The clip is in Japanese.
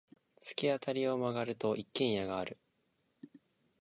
突き当たりを曲がると、一軒家がある。